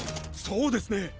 そうですね。